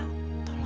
aku mau pergi